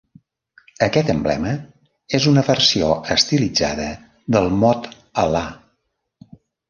Aquest emblema és una versió estilitzada del mot Al·là.